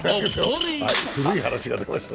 はい、古い話が出ました。